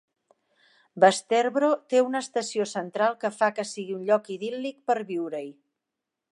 Vesterbro té una estació central que fa que sigui un lloc idíl·lic per viure-hi.